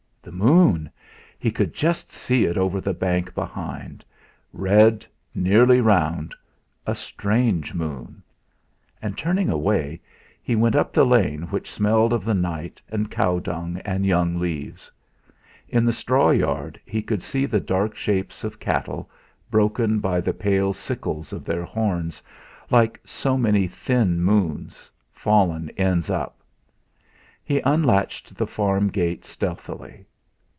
The moon! He could just see it over the bank be hind; red, nearly round a strange moon! And turning away, he went up the lane which smelled of the night and cowdung and young leaves. In the straw yard he could see the dark shapes of cattle, broken by the pale sickles of their horns, like so many thin moons, fallen ends up. He unlatched the farm gate stealthily.